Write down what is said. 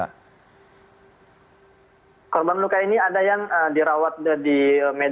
mas hussein kemudian ini korban luka saat ini baik di rumah sakit indonesia maupun rumah sakit milik pemerintah palestina